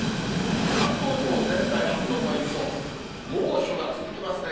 関東地方全体、あすのポイント、猛暑が続きますね。